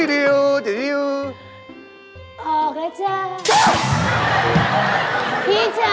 ผิดจ๋าผิดจ๋ับ